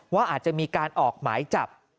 ว่าอาจจะมีการออกหมายจับ